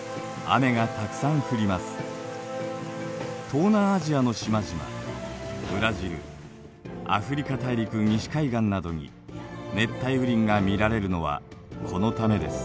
東南アジアの島々ブラジルアフリカ大陸西海岸などに熱帯雨林が見られるのはこのためです。